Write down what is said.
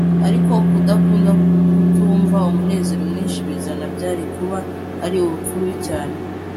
ariko kudakunda, kutumva umunezero mwinshi bizana, byari kuba ari urupfu rubi cyane